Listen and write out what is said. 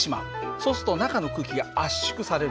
そうすると中の空気が圧縮されるね。